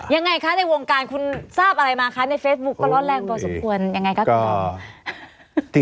ยังไงคะในวงการคุณทราบอะไรมาคะในเฟซบุ๊กก็ร้อนแรงพอสมควรยังไงคะคุณ